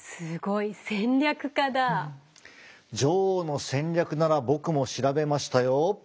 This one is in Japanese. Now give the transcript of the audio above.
女王の戦略なら僕も調べましたよ。